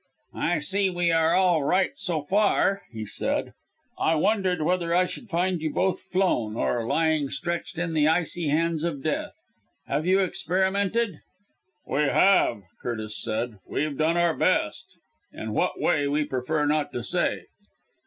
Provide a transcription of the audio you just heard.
"I see we are all right so far," he said. "I wondered whether I should find you both flown, or lying stretched in the icy hands of death. Have you experimented?" "We have," Curtis said. "We've done our best. In what way, we prefer not to say."